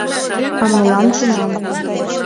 — А мылам тунам...